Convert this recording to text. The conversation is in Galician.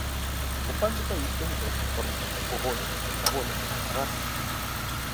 O pan do país ten diferentes formas: o bolo, a bola, a barra.